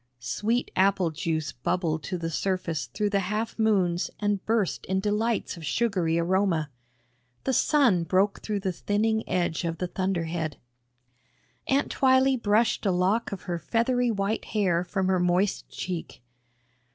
Sweet apple juice bubbled to the surface through the half moons and burst in delights of sugary aroma. The sun broke through the thinning edge of the thunderhead. Aunt Twylee brushed a lock of her feathery white hair from her moist cheek.